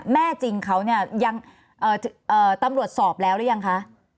แม่จริงเขาเนี่ยยังตำรวจสอบแล้วหรือยังคะ